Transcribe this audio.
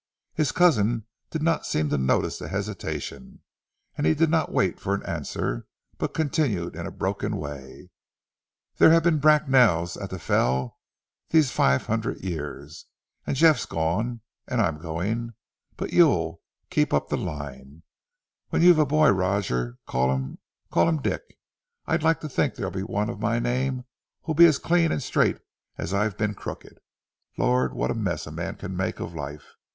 His cousin did not seem to notice the hesitation, and he did not wait for an answer, but continued in a broken way, "There have been Bracknells at the Fell these five hundred years.... And Geoff's gone, and I'm going, but you'll ... keep up the line. When you've a boy, Roger, call him ... call him Dick. I'd like to think there'll be one of my name who'll be as clean and straight as I've been crooked. Lord! What a mess a man can make of life!